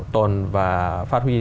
tồn và phát huy